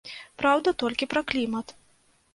Праўда толькі пра клімат.